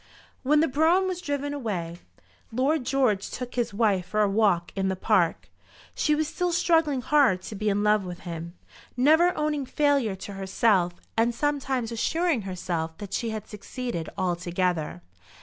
When the brougham was driven away Lord George took his wife for a walk in the park. She was still struggling hard to be in love with him, never owning failure to herself, and sometimes assuring herself that she had succeeded altogether.